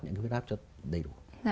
những huyết áp cho đầy đủ